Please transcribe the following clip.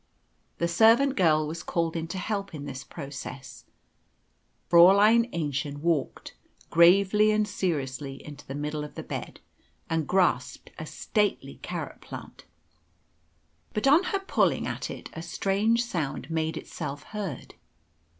The servant girl was called in to help in this process. Fräulein Aennchen walked, gravely and seriously, into the middle of the bed, and grasped a stately carrot plant. But on her pulling at it a strange sound made itself heard.